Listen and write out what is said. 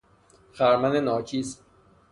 خرمن ناچیز